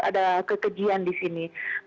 ada kekejian di sini